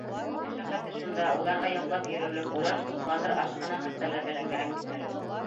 Мәшәҡәте шунда: уларға йоҡлап йөрөрлөк урын, туҡланыр ашхана хәстәрләргә лә кәрәк бит әле.